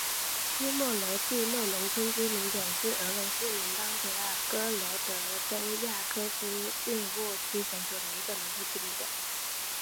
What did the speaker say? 斯莫罗季诺农村居民点是俄罗斯联邦别尔哥罗德州雅科夫列沃区所属的一个农村居民点。